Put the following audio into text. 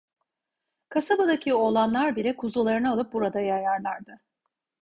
Kasabadaki oğlanlar bile kuzularını alıp burada yayarlardı.